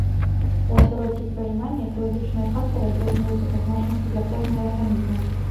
У асяроддзі пражывання экалагічныя фактары адрозніваюцца па значнасці для кожнага арганізма.